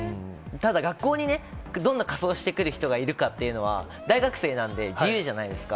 ただ、学校にね、どんな仮装をしてくるのがいるかっていうのは、大学生なんで自由じゃないですか。